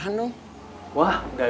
aku mau pengir silahkan